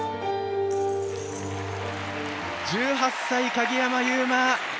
１８歳、鍵山優真